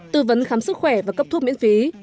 tư vấn khám sức khỏe và cấp thuốc miễn phí